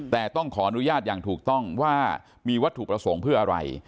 แต่ต้องขออนุญาตอย่างถูกต้องว่ามีวัตถุประสงค์เพื่ออะไร